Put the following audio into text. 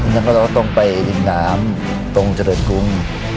แล้วก็ต้องไปดินดามตรงเจริญกุ้ง